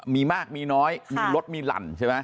มีมากมีน้อยมีลดมีหลั่นใช่มั้ย